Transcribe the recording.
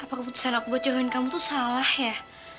hai apa keputusan aku buat jauhin kamu tuh salah ya